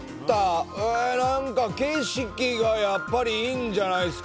景色がやっぱりいいんじゃないですか？